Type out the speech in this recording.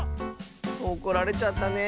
おこられちゃったね。